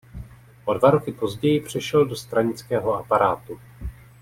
O dva roky později přešel do stranického aparátu.